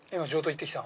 行ってきた。